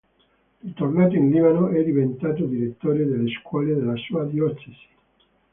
Ritornato in Libano è diventato direttore delle scuole della sua diocesi.